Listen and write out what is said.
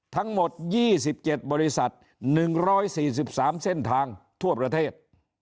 ทั้งหมด๒๗บริษัท๑๔๓เส้นทางทั่วประเทศ